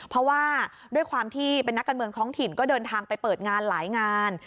เพราะว่าด้วยความที่เป็นนักการเมืองท้องถิ่นก็เดินทางไปเปิดงานหลายงาน